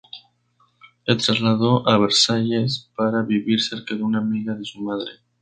Se trasladó a Versalles para vivir cerca de una amiga de su madre.